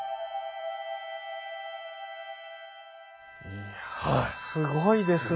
いやすごいですね。